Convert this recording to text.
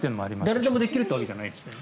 誰でもできるというわけではないですね。